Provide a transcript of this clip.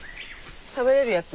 食べれるやつ？